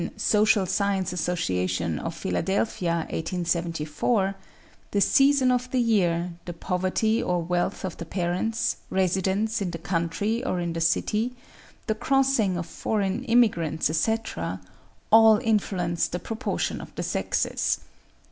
'Social Science Association of Philadelphia,' 1874.), the season of the year, the poverty or wealth of the parents, residence in the country or in cities, the crossing of foreign immigrants, etc., all influence the proportion of the sexes.